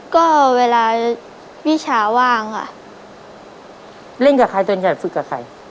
ก็เวลามิชาว่างค่ะเล่นกับใครส่วนใหญ่ฝึกกับใคร